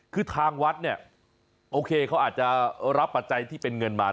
คือทางวัดเนี่ยโอเคเขาอาจจะรับปัจจัยที่เป็นเงินมา